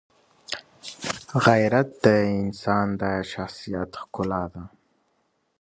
غیرت د انسان د شخصیت ښکلا ده.